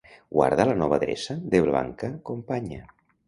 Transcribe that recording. Guarda la nova adreça de Blanca companya.